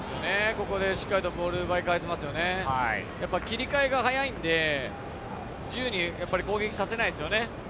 ここでしっかりとボールを奪い返せますよね、切り替えが早いので、自由に攻撃をさせないですよね。